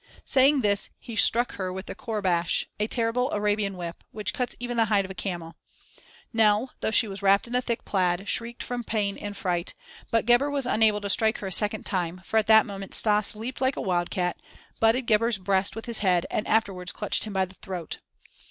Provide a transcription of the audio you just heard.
Saying this, he struck her with a courbash, a terrible Arabian whip, which cuts even the hide of a camel. Nell, though she was wrapped in a thick plaid, shrieked from pain and fright, but Gebhr was unable to strike her a second time, for at that moment Stas leaped like a wildcat, butted Gebhr's breast with his head, and afterwards clutched him by the throat.